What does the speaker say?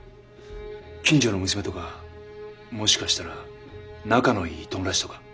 近所の娘とかもしかしたら仲のいい友達とか。